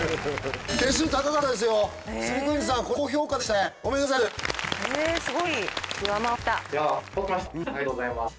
ありがとうございます。